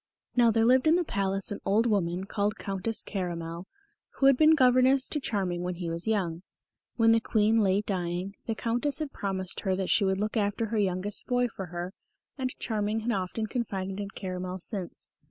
Now there lived in the Palace an old woman called Countess Caramel, who had been governess to Charming when he was young. When the Queen lay dying, the Countess had promised her that she would look after her youngest boy for her, and Charming had often confided in Caramel since.